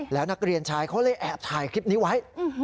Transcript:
แล้วนักเรียนชายเขาเลยแอบถ่ายคลิปนี้ไว้